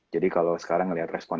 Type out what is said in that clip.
jadi kalau sekarang ngeliat respon